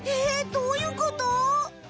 えどういうこと？